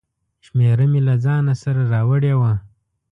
شمېره مې له ځانه سره راوړې وه.